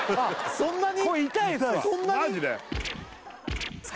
そんなに？